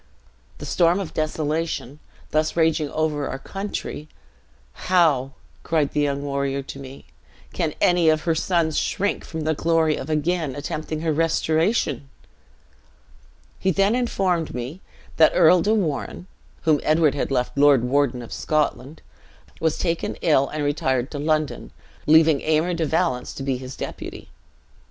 'The storm of desolation, thus raging over our country; how,' cried the young warrior to me, 'can any of her sons shrink from the glory of again attempting her restoration?' He then informed me that Earl de Warenne (whom Edward had left lord warden of Scotland), was taken ill, and retired to London, leaving Aymer de Valence to be his deputy.